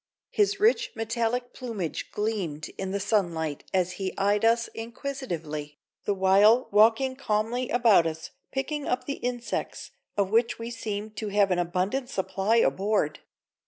His rich metallic plumage gleamed in the sunlight as he eyed us inquisitively, the while walking calmly about us picking up the insects of which we seemed to have an abundant supply aboard.